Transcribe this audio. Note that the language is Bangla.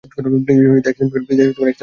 প্লিজ এক্সেপ্ট করো।